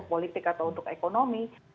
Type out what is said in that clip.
politik atau untuk ekonomi